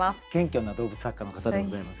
謙虚な動物作家の方でございます。